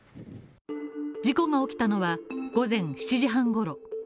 事故が起きたのは午前７時半ごろ。